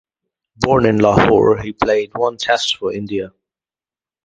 Born in Lahore, he played one Test for India.